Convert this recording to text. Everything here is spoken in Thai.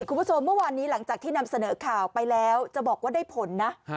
คุณผู้ชมเมื่อวานนี้หลังจากที่นำเสนอข่าวไปแล้วจะบอกว่าได้ผลนะ